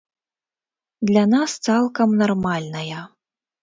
Для нас цалкам нармальная.